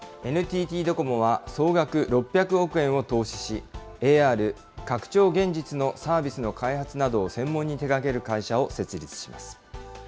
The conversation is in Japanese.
ＮＴＴドコモは総額６００億円を投資し、ＡＲ・拡張現実のサービスの開発などを専門に手がける会社を設立します。